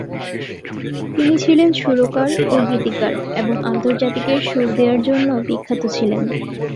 তিনি ছিলেন সুরকার ও গীতিকার এবং আন্তর্জাতিকের সুর দেয়ার জন্য বিখ্যাত ছিলেন।